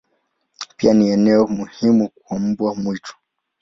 Pia ni eneo muhimu kwa mbwa mwitu.